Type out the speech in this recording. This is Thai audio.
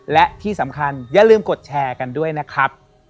และที่สำคัญอย่าลืมกดแชร์กันด้วยนะครับ